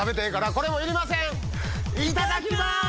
いただきます！